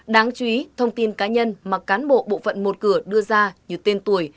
đáng chú ý thông tin cá nhân mà cán bộ bộ phận một cửa đưa ra như tên tuổi